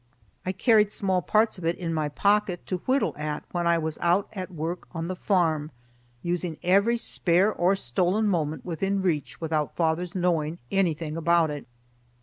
I carried small parts of it in my pocket to whittle at when I was out at work on the farm, using every spare or stolen moment within reach without father's knowing anything about it.